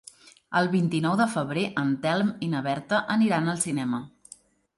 El vint-i-nou de febrer en Telm i na Berta aniran al cinema.